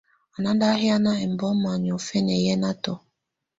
Á ná ndá hiána ɛmbɔma niɔ̀fɛna yɛnatɔ.